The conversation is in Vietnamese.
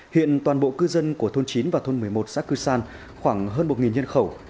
hiện toàn bộ cư dân của thôn chín và thôn một mươi một xã cư san khoảng hơn một nhân khẩu